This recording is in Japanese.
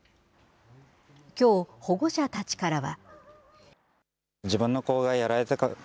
きょう、保護者たちからは。